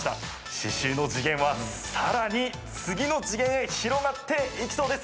刺しゅうの次元は、さらに次の次元へ広がっていきそうです。